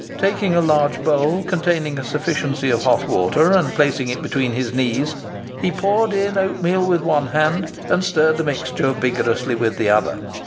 Taking a large bowl, containing a sufficiency of hot water, and placing it between his knees, he poured in oatmeal with one hand, and stirred the mixture vigorously with the other.